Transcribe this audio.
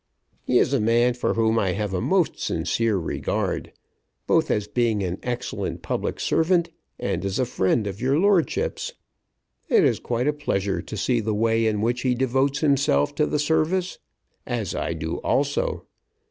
He is a man for whom I have a most sincere regard, both as being an excellent public servant, and as a friend of your lordship's. It is quite a pleasure to see the way in which he devotes himself to the service, as I do also.